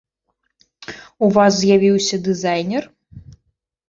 У вас з'явіўся дызайнер?